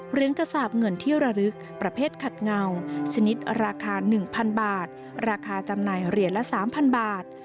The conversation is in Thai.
กระสาปเงินที่ระลึกประเภทขัดเงาชนิดราคา๑๐๐๐บาทราคาจำหน่ายเหรียญละ๓๐๐บาท